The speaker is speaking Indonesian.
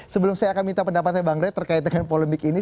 sebelum saya akan minta pendapatnya bang rey terkait dengan polemik ini